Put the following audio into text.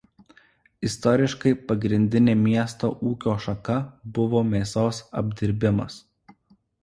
Istoriškai pagrindinė miesto ūkio šaka buvo mėsos apdirbimas.